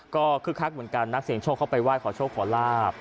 ก็คึกคักเหมือนกันนักเสียงโชคเข้าไปไหว้ขอโชคขอลาบ